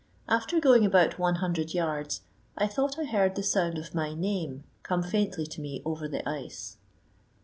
After going about one hundred yards, I thought I heard the sound of my name come faintly to me over the ice.